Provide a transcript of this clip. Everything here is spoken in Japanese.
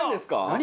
何？